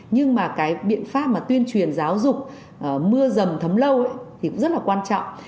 nhưng mà cái biện pháp mà tuyên truyền giáo dục mưa dầm thấm lâu thì cũng rất là quan trọng